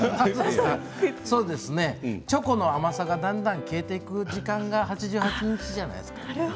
ちょっとチョコの甘さがだんだん消えていくのが８８日目じゃないですか。